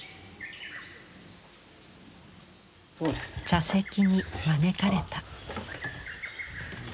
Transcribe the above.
茶席に招かれた。